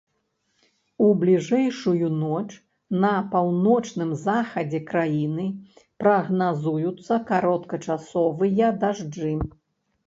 У бліжэйшую ноч на паўночным захадзе краіны прагназуюцца кароткачасовыя дажджы.